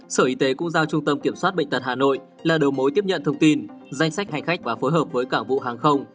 sở y tế cũng giao trung tâm kiểm soát bệnh tật hà nội là đầu mối tiếp nhận thông tin danh sách hành khách và phối hợp với cảng vụ hàng không